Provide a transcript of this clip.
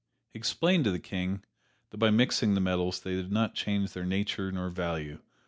He explained to the King that by mixing the metals they did not change their nature nor value.